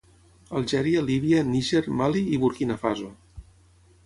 Algèria, Líbia, Níger, Mali i Burkina Faso.